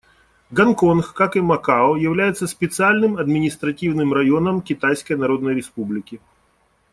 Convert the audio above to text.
Гонконг, как и Макао, является специальным административным районом Китайской Народной Республики.